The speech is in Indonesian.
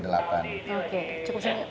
oke cukup sekali